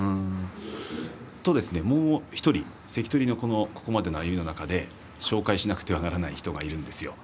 もう１人、関取はここまでの歩みの中で紹介しなくてはならない人がいるんですよね。